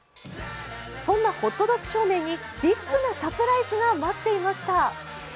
そんなホットドッグ少年にビッグなサプライズが待っていました。